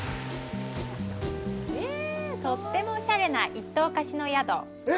とってもおしゃれな一棟貸しの宿。